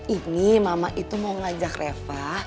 ini mama itu mau ngajak reva